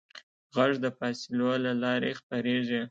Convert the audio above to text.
غږ د فاصلو له لارې خپرېږي.